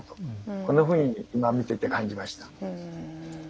こんなふうに今見ていて感じました。